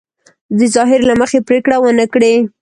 د ظاهر له مخې پرېکړه ونه کړي.